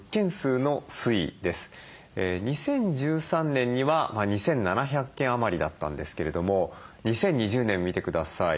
２０１３年には２，７００件余りだったんですけれども２０２０年見て下さい。